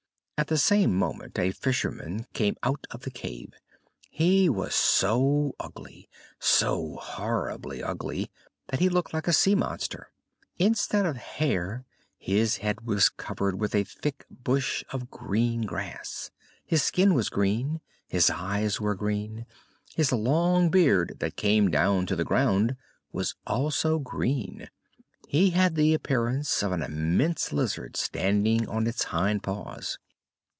At the same moment a fisherman came out of the cave; he was so ugly, so horribly ugly, that he looked like a sea monster. Instead of hair his head was covered with a thick bush of green grass, his skin was green, his eyes were green, his long beard that came down to the ground was also green. He had the appearance of an immense lizard standing on its hind paws.